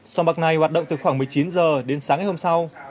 sông bạc này hoạt động từ khoảng một mươi chín h đến sáng ngày hôm sau